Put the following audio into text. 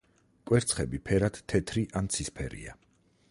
კვერცხები ფერად თეთრი ან ცისფერია.